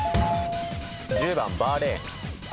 １０番バーレーン。